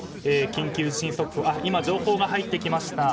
今、情報が入ってきました。